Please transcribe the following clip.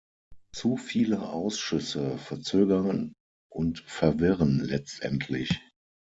Zu viele Ausschüsse verzögern und verwirren letztendlich.